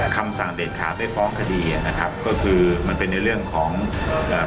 คำสั่งเด็ดขาดไม่ฟ้องคดีอ่ะนะครับก็คือมันเป็นในเรื่องของเอ่อ